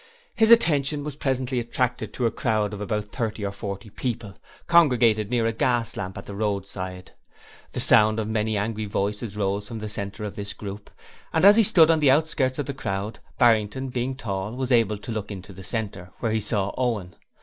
His attention was presently attracted to a crowd of about thirty or forty people, congregated near a gas lamp at the roadside. The sound of many angry voices rose from the centre of this group, and as he stood on the outskirts of the crowd, Barrington, being tall, was able to look into the centre, where he saw Owen.